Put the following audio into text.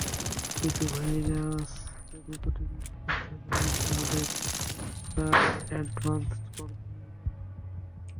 কিছু ভাইরাস যদি প্রতিরোধ করতে পারি, তাহলে ক্যানসার অ্যাডভান্সড পর্যায়ে যাবে না।